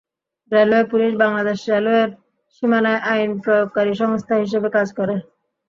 Railway police Bangladesh রেলওয়ের সীমানায় আইন প্রয়োগকারী সংস্থা হিসেবে কাজ করে।